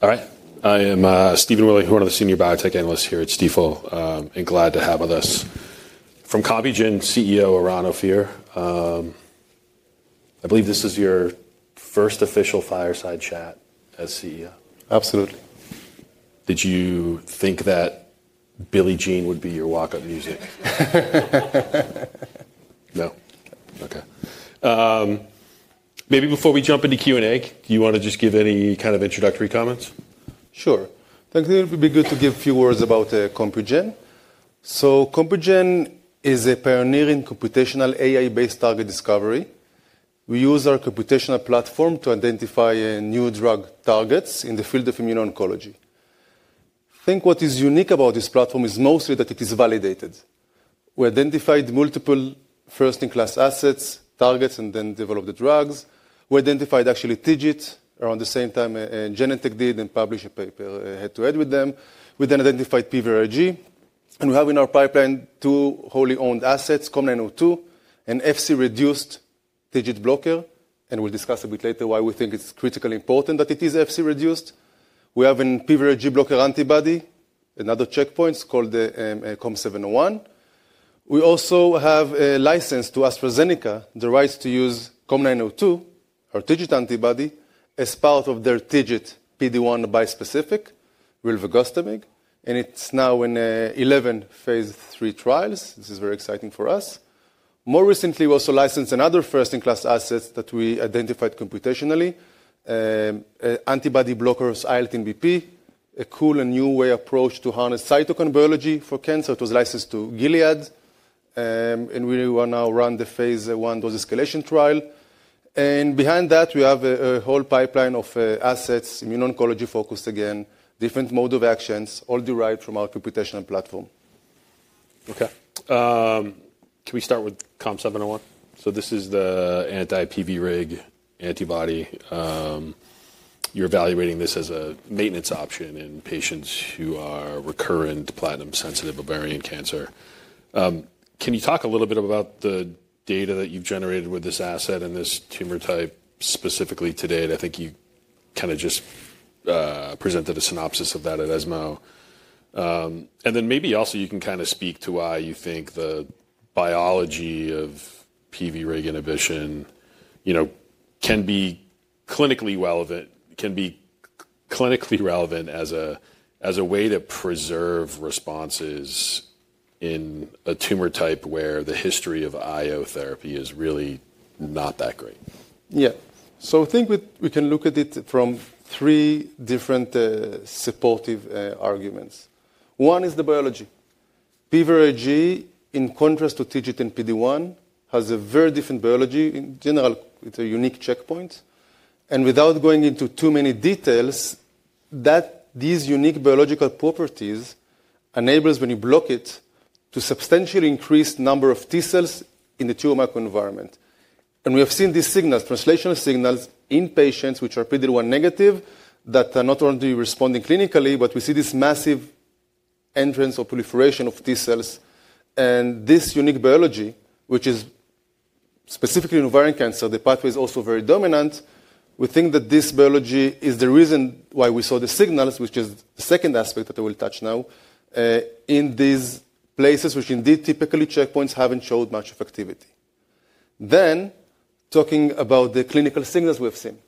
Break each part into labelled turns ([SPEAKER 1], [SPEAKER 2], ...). [SPEAKER 1] All right. I am Stephen Willie, one of the Senior Biotech Analysts here at Stifel, and glad to have with us from Compugen, CEO Eran Ophir. I believe this is your first official fireside chat as CEO.
[SPEAKER 2] Absolutely.
[SPEAKER 1] Did you think that Billie Jean would be your walk-up music? No? Okay. Maybe before we jump into Q&A, do you want to just give any kind of introductory comments?
[SPEAKER 2] Sure. I think it would be good to give a few words about Compugen. Compugen is a pioneer in computational AI-based target discovery. We use our computational platform to identify new drug targets in the field of immuno-oncology. I think what is unique about this platform is mostly that it is validated. We identified multiple first-in-class assets, targets, and then developed the drugs. We identified, actually, TIGIT around the same time Genentech did and published a paper head-to-head with them. We then identified PVRIG, and we have in our pipeline two wholly owned assets, COM902 and Fc-reduced TIGIT blocker. We will discuss a bit later why we think it is critically important that it is Fc-reduced. We have a PVRIG blocker antibody, another checkpoint called the COM701. We also have a license to AstraZeneca, the right to use COM902, our TIGIT antibody, as part of their TIGIT PD-1 bispecific, rilvegotomig. It is now in 11 phase III trials. This is very exciting for us. More recently, we also licensed another first-in-class asset that we identified computationally, antibody blocker IL-18BP, a cool and new way approach to harness cytokine biology for cancer. It was licensed to Gilead, and we will now run the phase I dose escalation trial. Behind that, we have a whole pipeline of assets, immuno-oncology focused again, different mode of actions, all derived from our computational platform.
[SPEAKER 1] Okay. Can we start with COM701? So this is the anti-PVRIG antibody. You're evaluating this as a maintenance option in patients who are recurrent platinum-sensitive ovarian cancer. Can you talk a little bit about the data that you've generated with this asset and this tumor type specifically today? I think you kind of just presented a synopsis of that at ESMO. And then maybe also you can kind of speak to why you think the biology of PVRIG inhibition, you know, can be clinically relevant, can be clinically relevant as a way to preserve responses in a tumor type where the history of IO therapy is really not that great.
[SPEAKER 2] Yeah. I think we can look at it from three different, supportive, arguments. One is the biology. PVRIG, in contrast to TIGIT and PD-1, has a very different biology. In general, it is a unique checkpoint. Without going into too many details, these unique biological properties enable, when you block it, to substantially increase the number of T cells in the tumor microenvironment. We have seen these signals, translational signals, in patients which are PD-1 negative that are not only responding clinically, but we see this massive entrance or proliferation of T cells. This unique biology, which is specifically in ovarian cancer, the pathway is also very dominant. We think that this biology is the reason why we saw the signals, which is the second aspect that I will touch now, in these places which indeed typically checkpoints have not showed much effectivity. Talking about the clinical signals we have seen.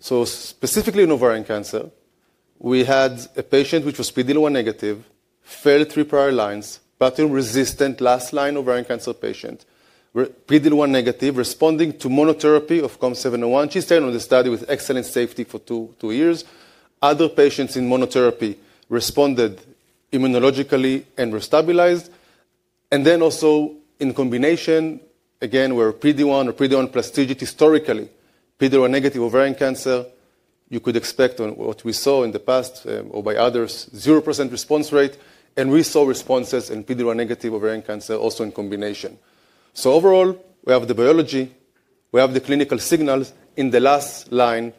[SPEAKER 2] Specifically in ovarian cancer, we had a patient who was PD-1 negative, failed three prior lines, platinum-resistant last line ovarian cancer patient, PD-1 negative, responding to monotherapy of COM701. She stayed on the study with excellent safety for two years. Other patients in monotherapy responded immunologically and were stabilized. Also in combination, where PD-1 or PD-1 plus TIGIT historically, PD-1 negative ovarian cancer, you could expect what we saw in the past, or by others, 0% response rate. We saw responses in PD-1 negative ovarian cancer also in combination. Overall, we have the biology, we have the clinical signals in the last line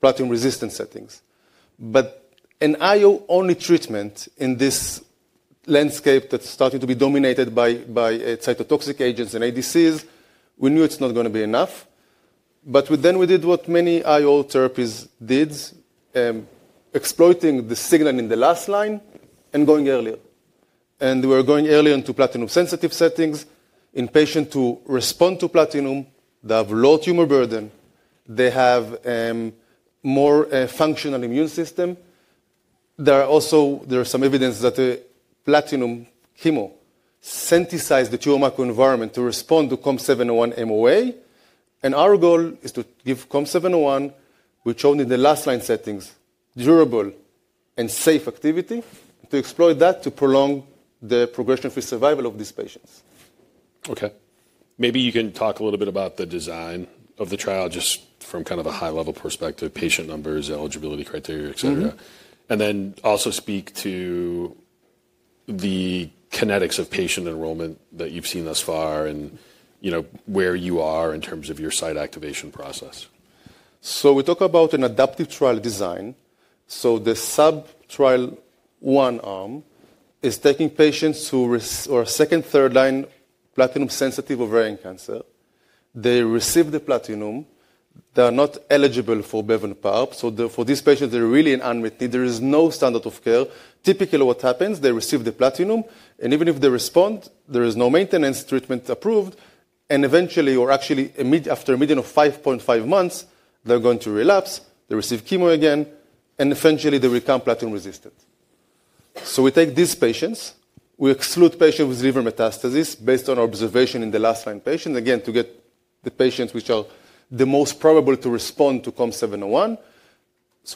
[SPEAKER 2] platinum-resistant settings. An IO-only treatment in this landscape that's starting to be dominated by cytotoxic agents and ADCs, we knew it's not going to be enough. We did what many IO therapies did, exploiting the signal in the last line and going earlier. We were going earlier into platinum-sensitive settings in patients who respond to platinum, they have low tumor burden, they have more a functional immune system. There is also some evidence that the platinum chemo sensitized the tumor microenvironment to respond to COM701 MOA. Our goal is to give COM701, which only in the last line settings showed durable and safe activity, to exploit that to prolong the progression-free survival of these patients.
[SPEAKER 1] Okay. Maybe you can talk a little bit about the design of the trial just from kind of a high-level perspective, patient numbers, eligibility criteria, et cetera. And then also speak to the kinetics of patient enrollment that you've seen thus far and, you know, where you are in terms of your site activation process.
[SPEAKER 2] We talk about an adaptive trial design. The sub-trial one arm is taking patients who receive second, third line platinum-sensitive ovarian cancer. They receive the platinum. They are not eligible for BEV and PARP. For these patients, they're really in unmet need. There is no standard of care. Typically, what happens, they receive the platinum, and even if they respond, there is no maintenance treatment approved. Eventually, or actually after a median of 5.5 months, they're going to relapse, they receive chemo again, and eventually they become platinum-resistant. We take these patients. We exclude patients with liver metastasis based on our observation in the last line patients, again, to get the patients which are the most probable to respond to COM701.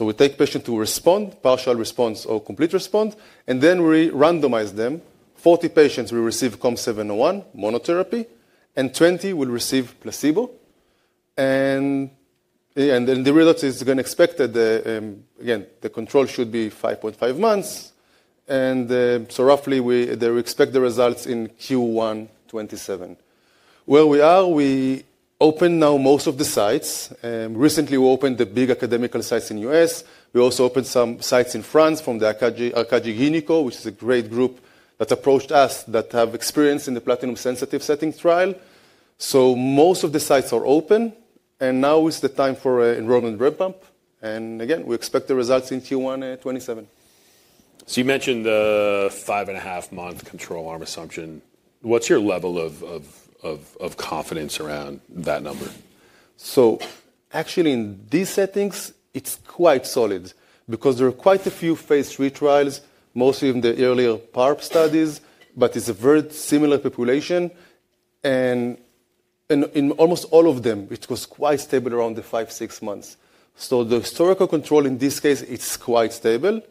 [SPEAKER 2] We take patients who respond, partial response or complete response, and then we randomize them. Forty patients will receive COM701 monotherapy and twenty will receive placebo. The reality is we're going to expect that the control should be 5.5 months. We expect the results in Q1 2027. Where we are, we opened now most of the sites. Recently we opened the big academical sites in the U.S. We also opened some sites in France from ARCAGY-GINECO, which is a great group that approached us that have experience in the platinum-sensitive setting trial. Most of the sites are open, and now is the time for enrollment revamp. We expect the results in Q1 2027.
[SPEAKER 1] You mentioned the five and a half month control arm assumption. What's your level of confidence around that number?
[SPEAKER 2] Actually, in these settings, it's quite solid because there are quite a few phase III trials, mostly in the earlier PARP studies, but it's a very similar population. In almost all of them, it was quite stable around five-six months. The historical control in this case is quite stable.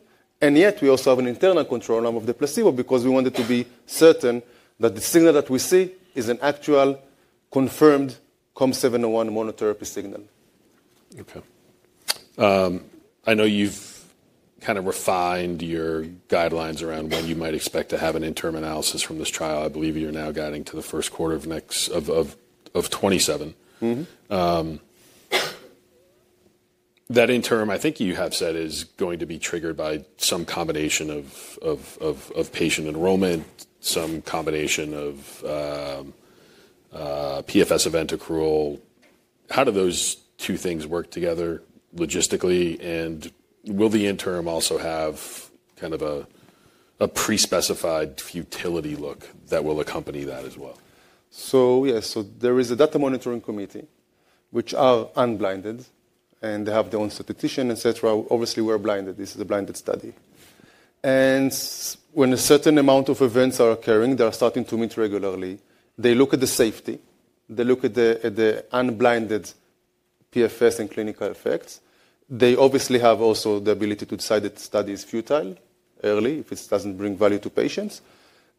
[SPEAKER 2] Yet we also have an internal control arm of the placebo because we wanted to be certain that the signal that we see is an actual confirmed COM701 monotherapy signal.
[SPEAKER 1] Okay. I know you've kind of refined your guidelines around when you might expect to have an interim analysis from this trial. I believe you're now guiding to the first quarter of 2027.
[SPEAKER 2] Mm-hmm.
[SPEAKER 1] That interim, I think you have said is going to be triggered by some combination of patient enrollment, some combination of PFS event accrual. How do those two things work together logistically? Will the interim also have kind of a pre-specified futility look that will accompany that as well?
[SPEAKER 2] Yes, there is a data monitoring committee which are unblinded, and they have their own statistician, et cetera. Obviously, we're blinded. This is a blinded study. When a certain amount of events are occurring, they are starting to meet regularly. They look at the safety. They look at the unblinded PFS and clinical effects. They obviously have also the ability to decide that the study is futile early if it does not bring value to patients.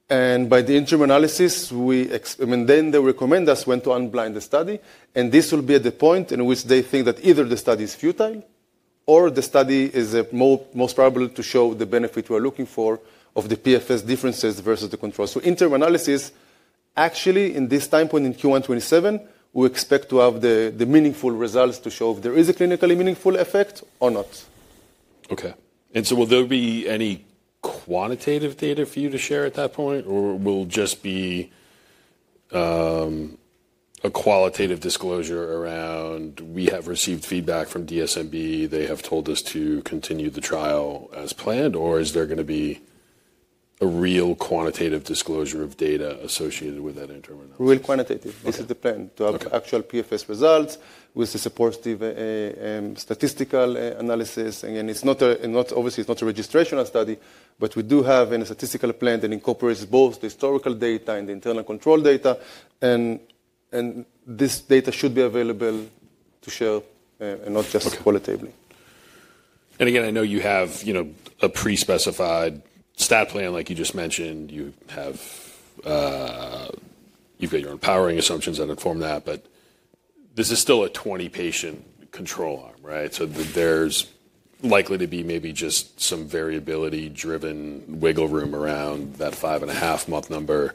[SPEAKER 2] By the interim analysis, we, I mean, then they recommend us when to unblind the study. This will be at the point in which they think that either the study is futile or the study is most probable to show the benefit we are looking for of the PFS differences versus the control. Interim analysis, actually at this time point in Q1 2027, we expect to have the meaningful results to show if there is a clinically meaningful effect or not.
[SPEAKER 1] Okay. And so will there be any quantitative data for you to share at that point, or will it just be a qualitative disclosure around, "We have received feedback from DSMB. They have told us to continue the trial as planned," or is there going to be a real quantitative disclosure of data associated with that interim analysis?
[SPEAKER 2] Real quantitative. This is the plan.
[SPEAKER 1] Okay.
[SPEAKER 2] To have actual PFS results with the supportive, statistical analysis. It's not a, not obviously, it's not a registrational study, but we do have a statistical plan that incorporates both the historical data and the internal control data. This data should be available to share, and not just qualitatively.
[SPEAKER 1] I know you have, you know, a pre-specified stat plan like you just mentioned. You have, you've got your empowering assumptions that inform that, but this is still a 20-patient control arm, right? There's likely to be maybe just some variability-driven wiggle room around that five and a half month number.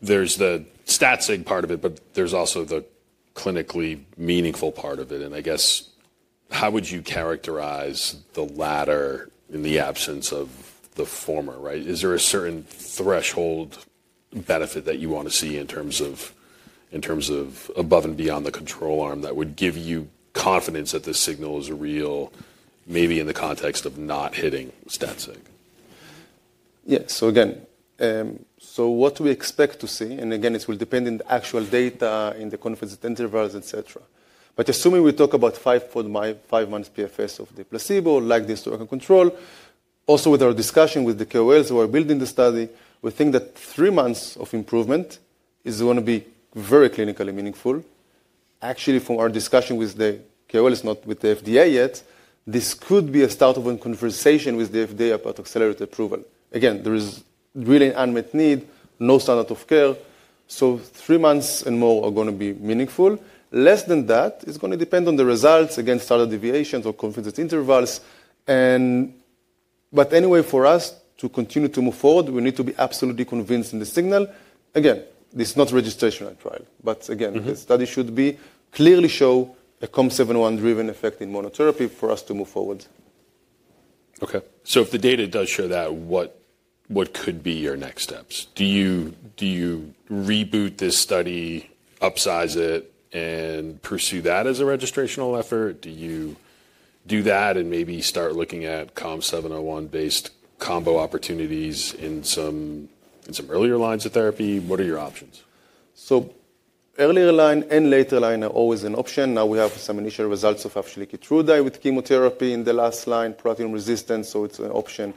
[SPEAKER 1] There's the stat-sig part of it, but there's also the clinically meaningful part of it. I guess how would you characterize the latter in the absence of the former, right? Is there a certain threshold benefit that you want to see in terms of, in terms of above and beyond the control arm that would give you confidence that the signal is real, maybe in the context of not hitting stat-sig?
[SPEAKER 2] Yeah. Again, what do we expect to see? Again, it will depend on the actual data and the confidence intervals, et cetera. Assuming we talk about five months PFS of the placebo, like the historical control, also with our discussion with the KOLs who are building the study, we think that three months of improvement is going to be very clinically meaningful. Actually, from our discussion with the KOLs, not with the FDA yet, this could be a start of a conversation with the FDA about accelerated approval. Again, there is really an unmet need, no standard of care. Three months and more are going to be meaningful. Less than that is going to depend on the results, again, standard deviations or confidence intervals. For us to continue to move forward, we need to be absolutely convinced in the signal. Again, this is not a registrational trial, but again, the study should clearly show a COM701-driven effect in monotherapy for us to move forward.
[SPEAKER 1] Okay. If the data does show that, what could be your next steps? Do you reboot this study, upsize it, and pursue that as a registrational effort? Do you do that and maybe start looking at COM701-based combo opportunities in some earlier lines of therapy? What are your options?
[SPEAKER 2] Earlier line and later line are always an option. Now we have some initial results of [afshali KEYTRUDA] with chemotherapy in the last line, platinum-resistant. It is an option.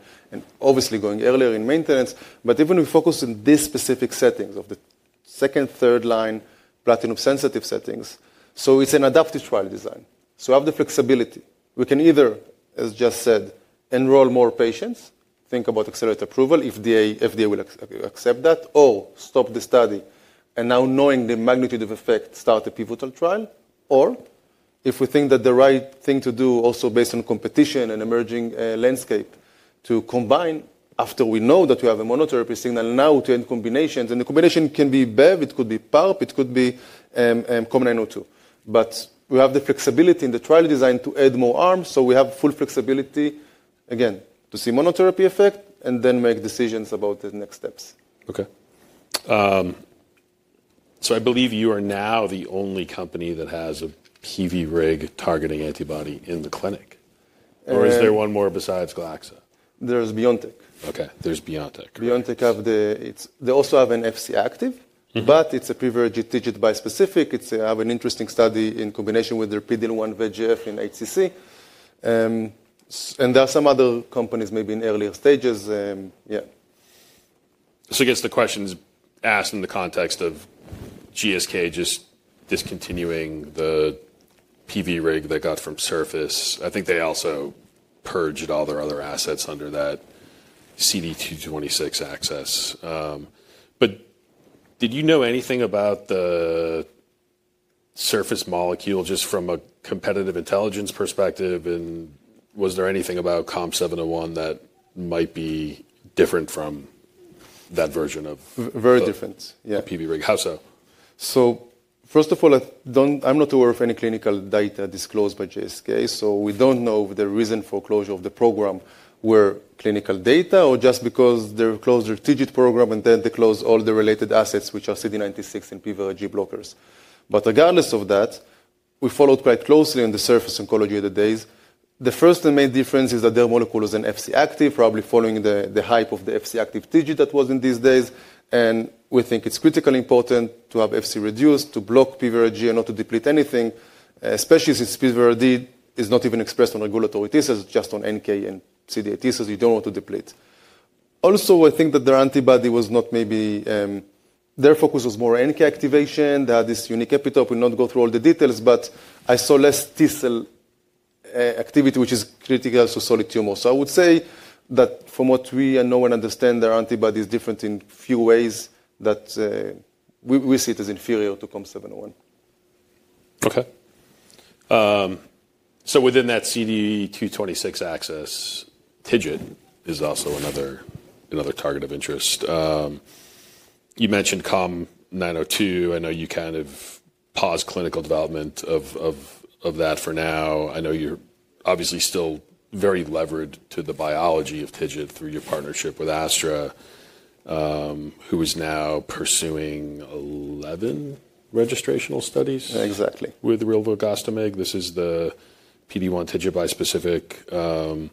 [SPEAKER 2] Obviously, going earlier in maintenance, but even if we focus on this specific setting of the second, third line platinum-sensitive settings. It is an adaptive trial design, so we have the flexibility. We can either, as just said, enroll more patients, think about accelerated approval if the FDA will accept that, or stop the study and now, knowing the magnitude of effect, start a pivotal trial. If we think that is the right thing to do, also based on competition and emerging landscape, to combine after we know that we have a monotherapy signal, now to end combinations. The combination can be BEV, it could be PARP, it could be Combine O2. We have the flexibility in the trial design to add more arms. We have full flexibility, again, to see monotherapy effect and then make decisions about the next steps.
[SPEAKER 1] Okay. So I believe you are now the only company that has a PVRIG targeting antibody in the clinic. Or is there one more besides Glaxo?
[SPEAKER 2] There's BioNTech.
[SPEAKER 1] Okay. There's BioNTech.
[SPEAKER 2] BioNTech have the, it's, they also have an Fc active, but it's a privileged TIGIT bispecific. It's, they have an interesting study in combination with their PD-1 VEGF in HCC. And there are some other companies maybe in earlier stages. Yeah.
[SPEAKER 1] I guess the question is asked in the context of GSK just discontinuing the PVRIG they got from Surface. I think they also purged all their other assets under that CD226 axis. Did you know anything about the Surface molecule just from a competitive intelligence perspective? Was there anything about COM701 that might be different from that version of PVRIG?
[SPEAKER 2] Very different. Yeah.
[SPEAKER 1] The PVRIG. How so?
[SPEAKER 2] First of all, I don't, I'm not aware of any clinical data disclosed by GSK. We don't know the reason for closure of the program, whether clinical data or just because they closed their TIGIT program and then they closed all the related assets, which are CD96 and PVRIG blockers. Regardless of that, we followed quite closely on the Surface Oncology of the days. The first and main difference is that their molecule was an Fc active, probably following the hype of the Fc active TIGIT that was in these days. We think it's critically important to have Fc reduced to block PVRIG and not to deplete anything, especially since PVRIG is not even expressed on regulatory T cells, just on NK and CD8 T cells. You don't want to deplete. Also, I think that their antibody was not maybe, their focus was more NK activation. They had this unique epitope. We'll not go through all the details, but I saw less T cell activity, which is critical to solid tumor. I would say that from what we and no one understand, their antibody is different in a few ways that we see it as inferior to COM701.
[SPEAKER 1] Okay. So within that CD226 axis, TIGIT is also another target of interest. You mentioned COM902. I know you kind of paused clinical development of that for now. I know you're obviously still very levered to the biology of TIGIT through your partnership with Astra, who is now pursuing 11 registrational studies.
[SPEAKER 2] Exactly.
[SPEAKER 1] With rilvegostomig. This is the PD-1 TIGIT bispecific.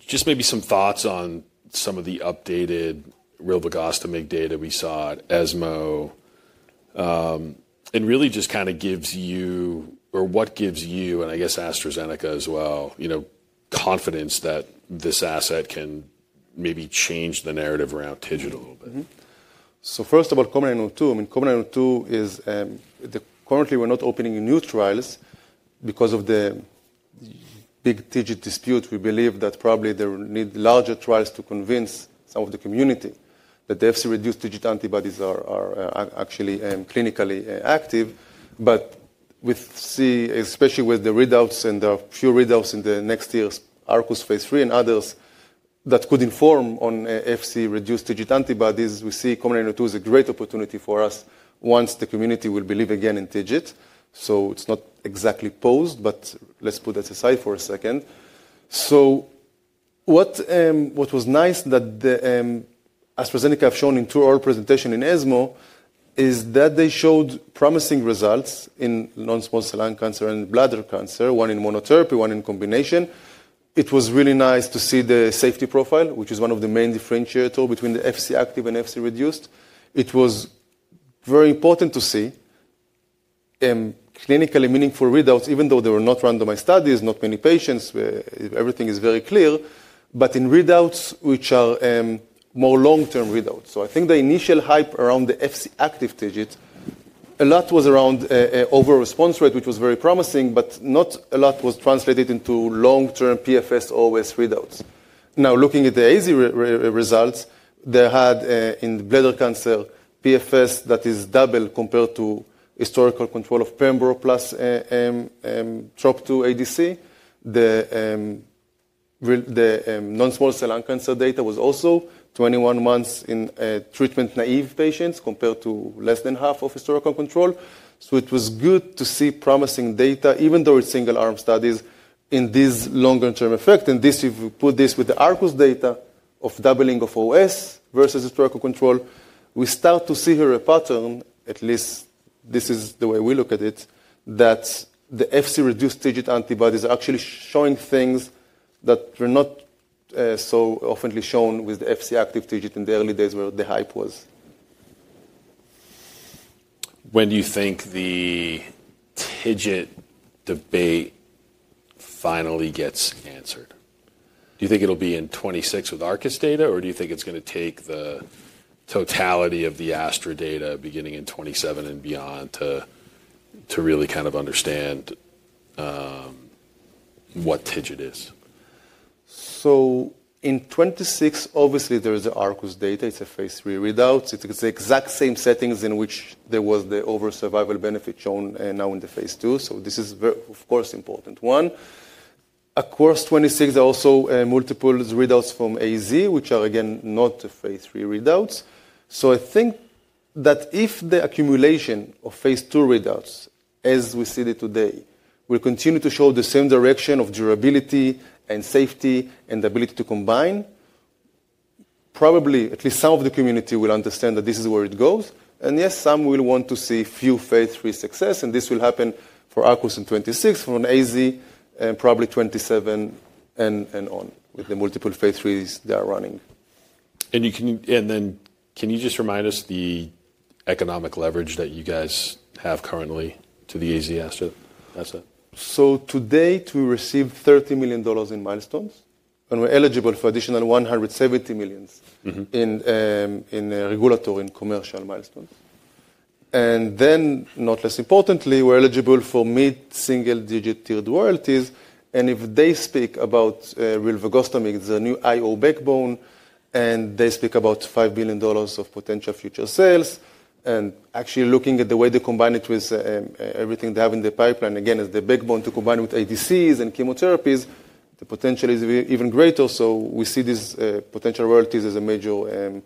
[SPEAKER 1] Just maybe some thoughts on some of the updated volrustomig data we saw at ESMO, and really just kind of gives you, or what gives you, and I guess AstraZeneca as well, you know, confidence that this asset can maybe change the narrative around TIGIT a little bit.
[SPEAKER 2] Mm-hmm. So first about COM902, I mean, COM902 is, currently we're not opening new trials because of the big TIGIT dispute. We believe that probably there need larger trials to convince some of the community that the Fc-reduced TIGIT antibodies are actually clinically active. But we see, especially with the readouts and the few readouts in the next year's Arcus phase III and others that could inform on Fc-reduced TIGIT antibodies, we see COM902 as a great opportunity for us once the community will believe again in TIGIT. It's not exactly paused, but let's put that aside for a second. What was nice that AstraZeneca have shown in two oral presentations in ESMO is that they showed promising results in non-small cell lung cancer and bladder cancer, one in monotherapy, one in combination. It was really nice to see the safety profile, which is one of the main differentiators between the Fc active and Fc-reduced. It was very important to see clinically meaningful readouts, even though there were not randomized studies, not many patients, everything is very clear, but in readouts which are more long-term readouts. I think the initial hype around the Fc active TIGIT, a lot was around overall response rate, which was very promising, but not a lot was translated into long-term PFS, OS readouts. Now, looking at the AZ results, they had, in bladder cancer, PFS that is double compared to historical control of pembro plus a TROP2 ADC. The non-small cell lung cancer data was also 21 months in treatment-naive patients compared to less than half of historical control. It was good to see promising data, even though it's single arm studies in this longer-term effect. If we put this with the Arcus data of doubling of OS versus historical control, we start to see here a pattern, at least this is the way we look at it, that the Fc-reduced TIGIT antibodies are actually showing things that were not so often shown with the Fc active TIGIT in the early days where the hype was.
[SPEAKER 1] When do you think the TIGIT debate finally gets answered? Do you think it'll be in 2026 with Arcus data, or do you think it's going to take the totality of the Astra data beginning in 2027 and beyond to, to really kind of understand, what TIGIT is?
[SPEAKER 2] In 2026, obviously there is the Arcus data. It's a phase III readout. It's the exact same settings in which there was the overall survival benefit shown, now in the phase II. This is very, of course, important. One, across 2026, there are also multiple readouts from AZ, which are again, not phase III readouts. I think that if the accumulation of phase II readouts, as we see it today, will continue to show the same direction of durability and safety and ability to combine, probably at least some of the community will understand that this is where it goes. Yes, some will want to see a few phase III successes, and this will happen for Arcus in 2026, from AZ, and probably 2027 and on with the multiple phase IIIs they are running.
[SPEAKER 1] Can you just remind us the economic leverage that you guys have currently to the Astra asset?
[SPEAKER 2] Today we received $30 million in milestones and we're eligible for an additional $170 million.
[SPEAKER 1] Mm-hmm.
[SPEAKER 2] In regulatory and commercial milestones. Not less importantly, we're eligible for mid-single digit tiered royalties. If they speak about volrustomig, the new IO backbone, and they speak about $5 billion of potential future sales. Actually, looking at the way they combine it with everything they have in the pipeline, again, as the backbone to combine with ADCs and chemotherapies, the potential is even greater. We see these potential royalties as a major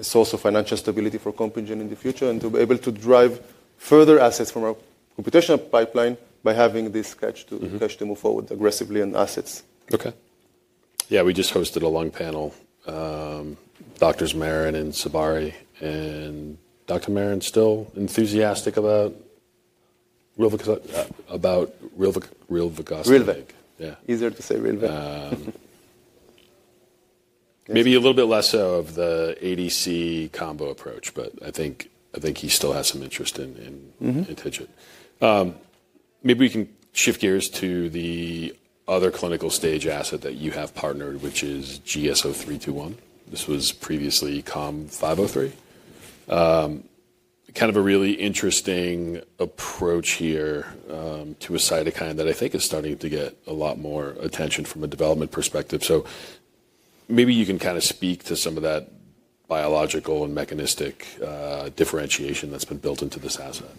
[SPEAKER 2] source of financial stability for Compugen in the future and to be able to drive further assets from our computational pipeline by having this catch to move forward aggressively in assets.
[SPEAKER 1] Okay. Yeah. We just hosted a long panel, Doctors Marin and Sabari. And Doctor Marin, still enthusiastic about rilvegostomig.
[SPEAKER 2] Rilveg.
[SPEAKER 1] Yeah.
[SPEAKER 2] Easier to say rilveg.
[SPEAKER 1] Maybe a little bit less of the ADC combo approach, but I think he still has some interest in TIGIT. Maybe we can shift gears to the other clinical stage asset that you have partnered, which is GS-0321. This was previously COM503. Kind of a really interesting approach here, to a cytokine that I think is starting to get a lot more attention from a development perspective. Maybe you can kind of speak to some of that biological and mechanistic differentiation that's been built into this asset.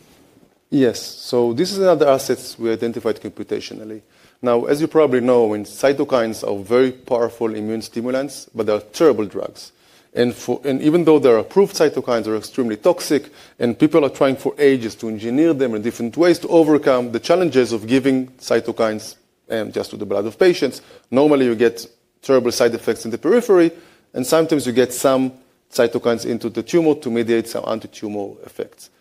[SPEAKER 2] Yes. This is another asset we identified computationally. Now, as you probably know, cytokines are very powerful immune stimulants, but they are terrible drugs. Even though they are approved, cytokines are extremely toxic and people have been trying for ages to engineer them in different ways to overcome the challenges of giving cytokines just to the blood of patients. Normally you get terrible side effects in the periphery. Sometimes you get some cytokines into the tumor to mediate some anti-tumor effects.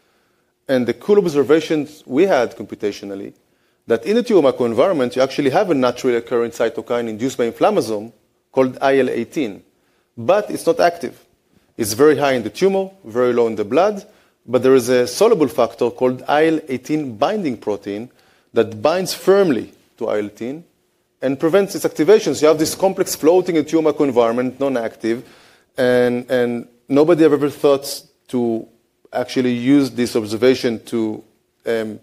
[SPEAKER 2] The cool observation we had computationally is that in a tumor macro environment, you actually have a naturally occurring cytokine induced by inflammasome called IL-18, but it is not active. It is very high in the tumor, very low in the blood, but there is a soluble factor called IL-18 binding protein that binds firmly to IL-18 and prevents its activation. You have this complex floating in tumor microenvironment, non-active. And nobody ever thought to actually use this observation to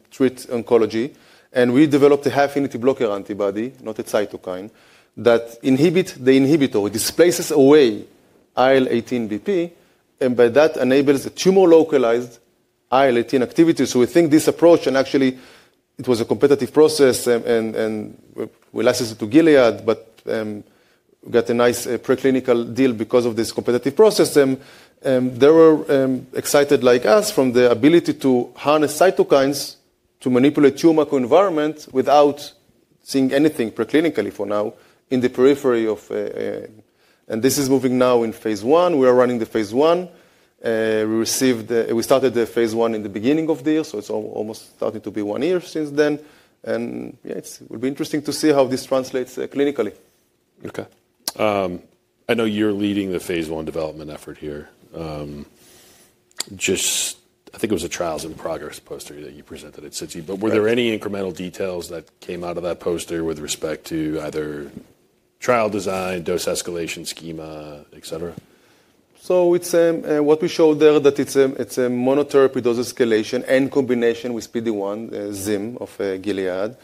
[SPEAKER 2] treat oncology. We developed a half-unity blocker antibody, not a cytokine, that inhibits the inhibitor, displaces away IL-18BP, and by that enables a tumor-localized IL-18 activity. We think this approach, and actually it was a competitive process, and we licensed it to Gilead, but got a nice preclinical deal because of this competitive process. They were excited like us from the ability to harness cytokines to manipulate tumor microenvironment without seeing anything preclinically for now in the periphery, and this is moving now in phase I. We are running the phase I. We started the phase I in the beginning of the year. It is almost starting to be one year since then. Yeah, it will be interesting to see how this translates clinically.
[SPEAKER 1] Okay. I know you're leading the phase I development effort here. I think it was a trials in progress poster that you presented. It said to you, but were there any incremental details that came out of that poster with respect to either trial design, dose escalation schema, et cetera?
[SPEAKER 2] What we showed there is that it's a monotherapy dose escalation and combination with PD-1, ZIM of Gilead.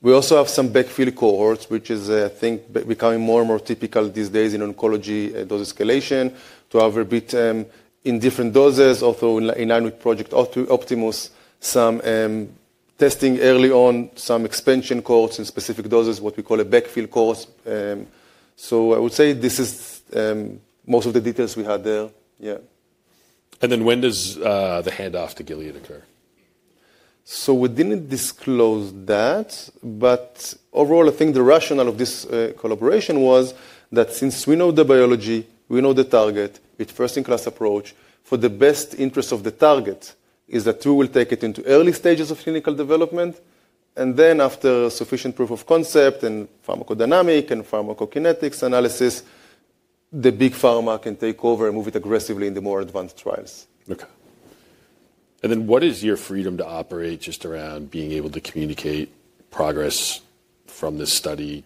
[SPEAKER 2] We also have some backfill cohorts, which is, I think, becoming more and more typical these days in oncology, dose escalation to have a bit, in different doses, also in line with project Optimus, some testing early on, some expansion cohorts in specific doses, what we call a backfill cohort. I would say this is most of the details we had there. Yeah.
[SPEAKER 1] When does the handoff to Gilead occur?
[SPEAKER 2] We did not disclose that, but overall, I think the rationale of this collaboration was that since we know the biology, we know the target, it is a first-in-class approach for the best interest of the target that we will take it into early stages of clinical development. Then after sufficient proof of concept and pharmacodynamic and pharmacokinetics analysis, the big pharma can take over and move it aggressively in the more advanced trials.
[SPEAKER 1] Okay. What is your freedom to operate just around being able to communicate progress from this study?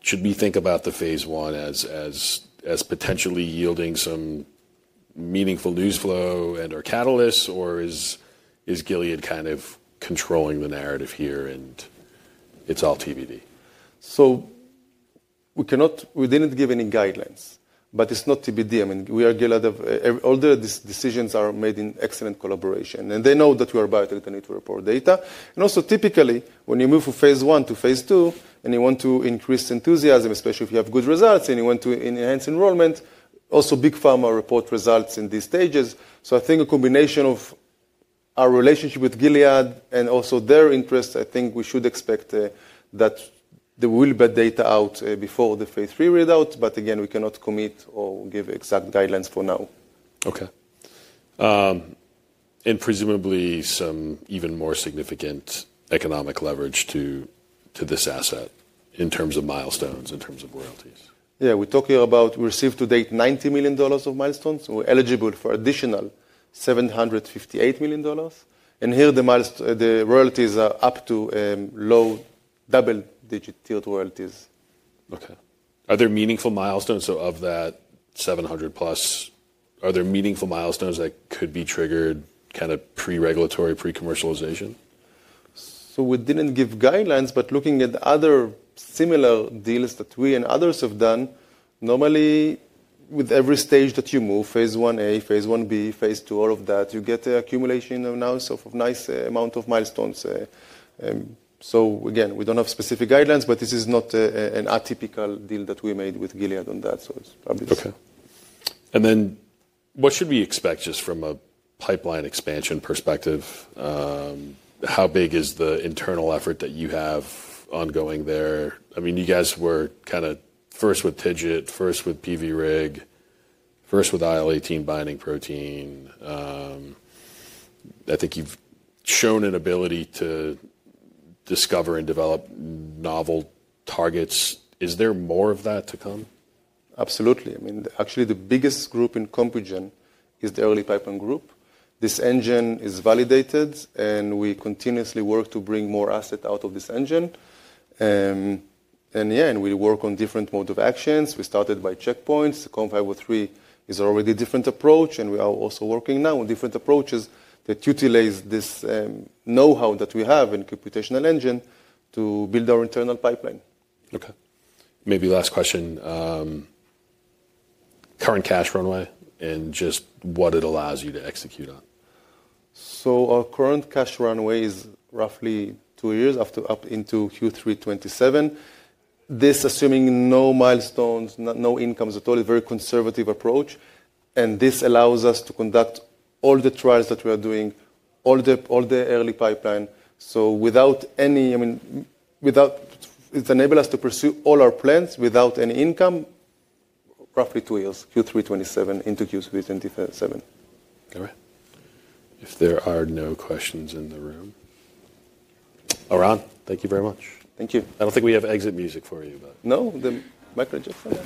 [SPEAKER 1] Should we think about the phase I as potentially yielding some meaningful news flow and/or catalysts, or is Gilead kind of controlling the narrative here and it's all TBD?
[SPEAKER 2] We cannot, we did not give any guidelines, but it is not TBD. I mean, we are Gilead, all the decisions are made in excellent collaboration. They know that we are biotelecinetically poor data. Also, typically when you move from phase I to phase II and you want to increase enthusiasm, especially if you have good results and you want to enhance enrollment, also big pharma report results in these stages. I think a combination of our relationship with Gilead and also their interest, I think we should expect that there will be data out before the phase III readouts. Again, we cannot commit or give exact guidelines for now.
[SPEAKER 1] Okay. And presumably some even more significant economic leverage to this asset in terms of milestones, in terms of royalties.
[SPEAKER 2] Yeah. We're talking about, we received to date $90 million of milestones. We're eligible for additional $758 million. Here the milestone, the royalties are up to low double digit tiered royalties.
[SPEAKER 1] Okay. Are there meaningful milestones? So of that $700+ million, are there meaningful milestones that could be triggered kind of pre-regulatory, pre-commercialization?
[SPEAKER 2] We did not give guidelines, but looking at other similar deals that we and others have done, normally with every stage that you move, phase I-A, phase I-B, phase II, all of that, you get the accumulation now of a nice amount of milestones. Again, we do not have specific guidelines, but this is not an atypical deal that we made with Gilead on that. It is obvious.
[SPEAKER 1] Okay. And then what should we expect just from a pipeline expansion perspective? How big is the internal effort that you have ongoing there? I mean, you guys were kind of first with TIGIT, first with PVRIG, first with IL-18 binding protein. I think you've shown an ability to discover and develop novel targets. Is there more of that to come?
[SPEAKER 2] Absolutely. I mean, actually the biggest group in Compugen is the early pipeline group. This engine is validated and we continuously work to bring more assets out of this engine. Yeah, and we work on different modes of action. We started by checkpoints. The COM503 is already a different approach and we are also working now on different approaches that utilize this know-how that we have in the computational engine to build our internal pipeline.
[SPEAKER 1] Okay. Maybe last question. Current cash runway and just what it allows you to execute on.
[SPEAKER 2] Our current cash runway is roughly two years, up into Q3 2027. This is assuming no milestones, no incomes at all, a very conservative approach. This allows us to conduct all the trials that we are doing, all the early pipeline. Without any, I mean, without, it has enabled us to pursue all our plans without any income, roughly two years, Q3 2027, into Q3 2027.
[SPEAKER 1] Okay. If there are no questions in the room, Eran, thank you very much.
[SPEAKER 2] Thank you. I don't think we have exit music for you, but. No, the mic just went.